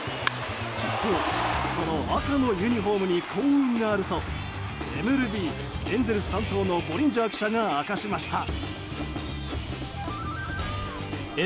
実はこの赤のユニホームに幸運があるとＭＬＢエンゼルス担当のボリンジャー記者が明かしました。